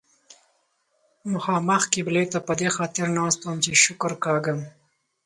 مخامخ قبلې ته په دې خاطر ناست وم چې شکر کاږم.